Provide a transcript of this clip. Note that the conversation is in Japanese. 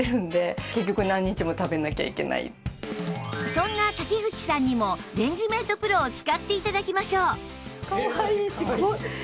そんな瀧口さんにもレンジメート ＰＲＯ を使って頂きましょう！